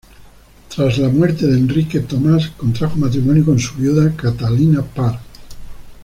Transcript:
Tras la muerte de Enrique, Thomas contrajo matrimonio con su viuda, Catalina Parr.